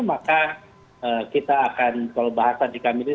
maka kita akan kalau bahasan di kami ini